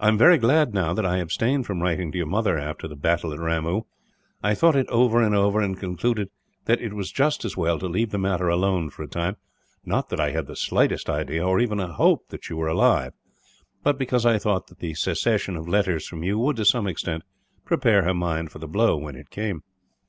"I am very glad, now, that I abstained from writing to your mother after the battle at Ramoo. I thought it over and over, and concluded that it was just as well to leave the matter alone for a time; not that I had the slightest idea, or even a hope, that you were alive, but because I thought that the cessation of letters from you would, to some extent, prepare her mind for the blow, when it came.